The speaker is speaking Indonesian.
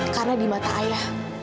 karena di mata ayah